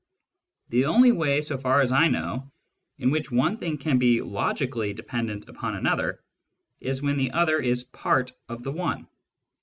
The only way, so far as I know, in which one thing can be logically dependent upon another is when the other is part of the one.